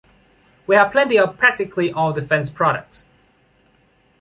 We have plenty of practically all defense products.